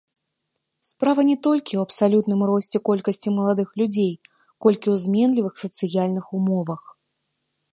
Справа не столькі ў абсалютным росце колькасці маладых людзей, колькі ў зменлівых сацыяльных умовах.